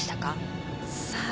さあ。